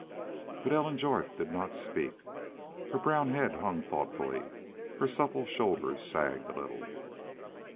But Ellen Jorth did not speak. Her brown head hung thoughtfully. Her supple shoulders sagged a little.